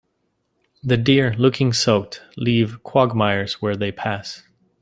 The deer, looking soaked, leave quagmires where they pass.